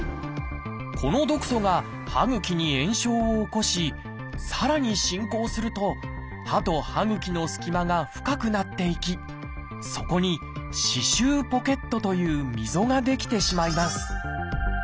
この毒素が歯ぐきに炎症を起こしさらに進行すると歯と歯ぐきの隙間が深くなっていきそこに「歯周ポケット」という溝が出来てしまいます。